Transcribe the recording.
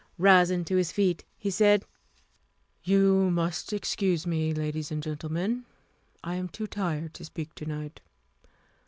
Rising to his feet, he said: "You must excuse me, ladies and gentlemen. I am too tired to speak to night.